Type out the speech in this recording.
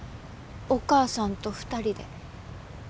お母さんと２人で。